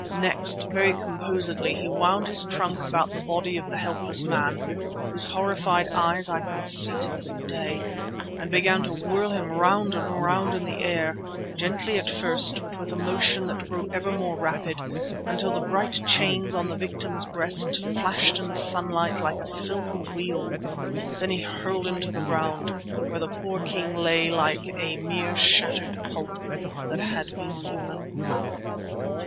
Next very composedly he wound his trunk about the body of the helpless man, whose horrified eyes I can see to this day, and began to whirl him round and round in the air, gently at first but with a motion that grew ever more rapid, until the bright chains on the victim's breast flashed in the sunlight like a silver wheel. Then he hurled him to the ground, where the poor king lay a mere shattered pulp that had been human.